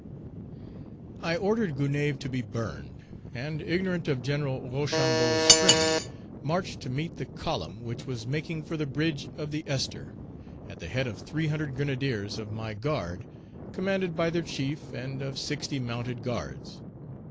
I ordered Gonaïves to be burned, and, ignorant of Gen. Rochambeau's strength, marched to meet the column, which was making for the bridge of the Ester, at the head of 300 grenadiers of my guard, commanded by their chief, and of sixty mounted guards.